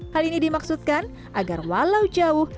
hal ini dimaksudkan agar walau jauh